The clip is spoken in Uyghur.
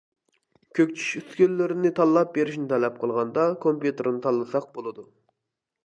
كۆكچىش ئۈسكۈنىلىرىنى تاللاپ بېرىشنى تەلەپ قىلغاندا كومپيۇتېرنى تاللىساق بولىدۇ.